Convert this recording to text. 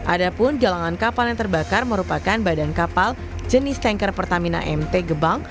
ada pun jalanan kapal yang terbakar merupakan badan kapal jenis tanker pertamina mt gebang